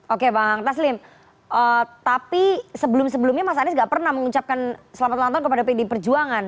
oke bang taslim tapi sebelum sebelumnya mas anies nggak pernah mengucapkan selamat ulang tahun kepada pdi perjuangan